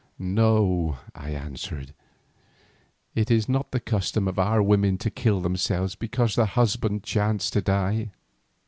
"No," I answered, "it is not the custom of our women to kill themselves because their husbands chance to die."